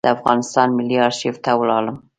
د افغانستان ملي آرشیف ته ولاړم.